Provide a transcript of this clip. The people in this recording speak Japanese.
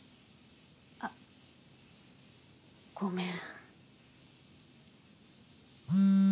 あっごめん。